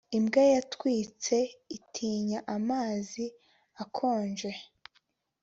imbwa yatwitse itinya amazi akonje.